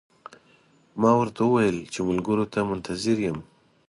ما ورته وویل چې ملګرو ته منتظر یم.